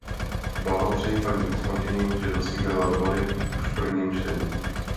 Blahopřeji paní poslankyni, že docílila dohody už v prvním čtení.